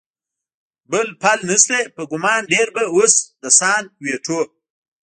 بل پل نشته، په ګمان ډېر به اوس د سان وېټو.